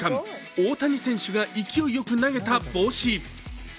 大谷選手が勢いよく投げた帽子。